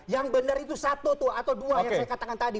yang benar itu satu atau dua yang saya katakan tadi